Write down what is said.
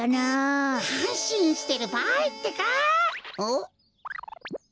ん？